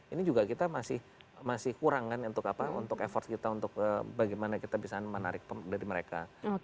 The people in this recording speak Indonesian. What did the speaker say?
ini juga kita masih kurang kan untuk effort kita untuk bagaimana kita bisa menarik dari mereka